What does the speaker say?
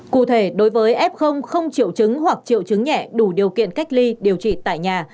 cụ thể đối với f không triệu chứng hoặc triệu chứng nhẹ đủ điều kiện cách ly điều trị tại nhà